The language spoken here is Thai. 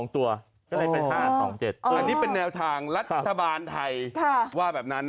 แต่๕มันมา๒ตัว